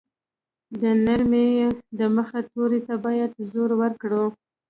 د نرمې ی د مخه توري ته باید زور ورکړو.